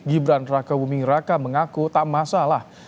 gibran raka buming raka mengaku tak masalah